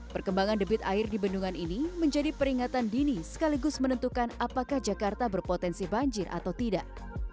perkembangan debit air di bendungan ini menjadi peringatan dini sekaligus menentukan apakah jakarta berpotensi banjir atau tidak